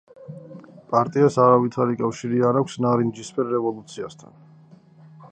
პარტიას არავითარი კავშირი არ აქვს ნარინჯისფერ რევოლუციასთან.